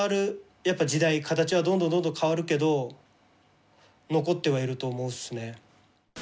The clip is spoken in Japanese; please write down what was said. やっぱ時代形はどんどんどんどん変わるけど残ってはいると思うっすね。